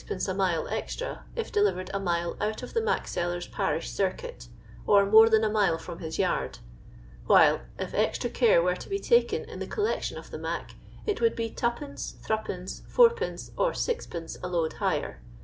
a mile extra if delivered a mile out of the mac Beller*s parish circuit, or more than a mile from his yard ; while, if extra care were to be taken in the collection of the "mac," it would be 2d., Zd., id,, or 6d. a load higher.